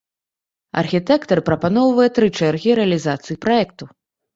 Архітэктар прапаноўвае тры чэргі рэалізацыі праекту.